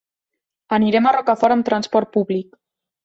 Anirem a Rocafort amb transport públic.